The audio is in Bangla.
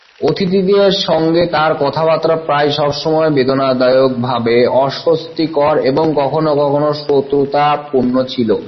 অতিথিদের সঙ্গে তার কথাবার্তা প্রায় সবসময়ই বেদনাদায়কভাবে অস্বস্তিকর এবং কখনো কখনো শত্রুতাপূর্ণ ছিল।